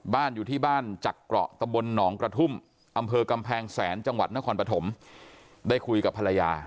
อยู่ที่บ้านจักเกราะตะบนหนองกระทุ่มอำเภอกำแพงแสนจังหวัดนครปฐมได้คุยกับภรรยา